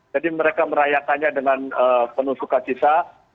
jadi mereka merayakannya dengan penuh sukacita